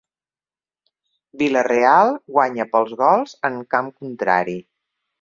Vila-real guanya pels gols en camp contrari.